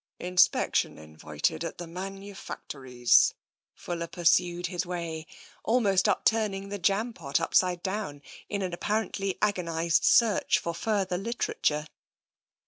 " Inspection invited at the manufactories.*' Fuller pursued his way, almost turning the jam pot upside down in an apparently agonised search for further literature.